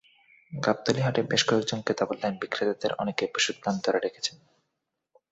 গাবতলী হাটে বেশ কয়েকজন ক্রেতা বললেন, বিক্রেতাদের অনেকে পশুর দাম ধরে রেখেছেন।